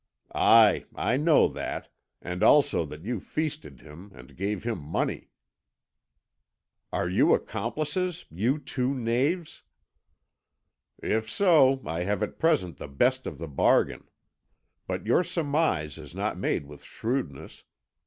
"Aye, I know that, and also that you feasted him, and gave him money." "Are you accomplices, you two knaves?" "If so, I have at present the best of the bargain. But your surmise is not made with shrewdness.